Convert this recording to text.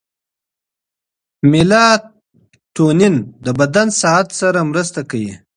میلاټونین د بدن ساعت سره مرسته کوي.